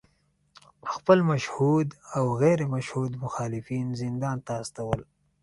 خپل مشهود او غیر مشهود مخالفین زندان ته استول